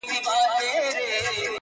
پېړۍ و سوه جګړه د تورو سپینو د روانه,